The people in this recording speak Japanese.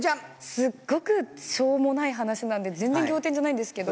すっごくしょうもない話なんで全然仰天じゃないんですけど。